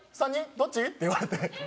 どっち？」って言われて。